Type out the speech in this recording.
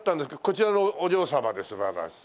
こちらのお嬢様で素晴らしい。